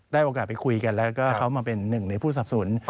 โอกาสไปคุยกันแล้วก็เขามาเป็นหนึ่งในผู้สับสนุน